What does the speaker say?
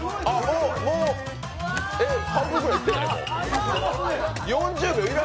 もう半分ぐらいいってない？